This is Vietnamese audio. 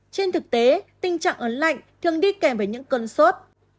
trên thực tế tình trạng ấn lạnh thường đi kèm với những cân sốt